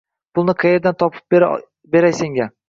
Pulni qaerdan topib beray senga